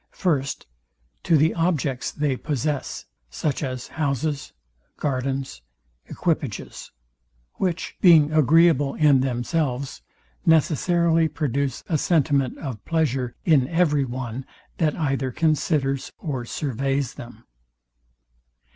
FIRST, To the objects they possess; such as houses, gardens, equipages; which, being agreeable in themselves, necessarily produce a sentiment of pleasure in every one; that either considers or surveys them.